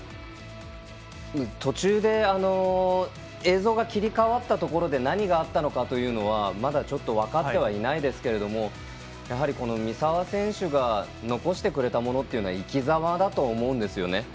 途中で映像が切り替わったところで何があったのかというのはまだ分かってはいませんがやはり三澤選手が残してくれたものは生きざまだと思うんですよね。